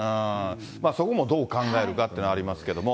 そこをどう考えるかって、ありますけども。